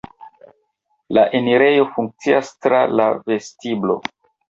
La enirejo funkcias tra la vestiblo.